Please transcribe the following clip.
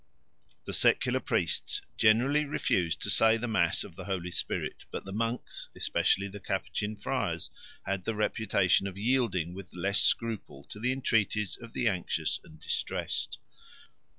The secular priests generally refused to say the Mass of the Holy Spirit; but the monks, especially the Capuchin friars, had the reputation of yielding with less scruple to the entreaties of the anxious and distressed.